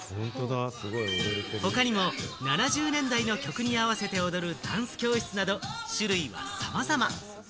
他にも７０年代の曲に合わせて踊るダンス教室など種類はさまざま。